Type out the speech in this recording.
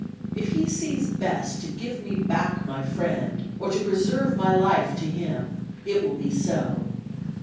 If He sees best to give me back my friend, or to preserve my life to him, it will be so."